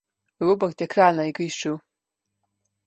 Robert je kralj na igrišču.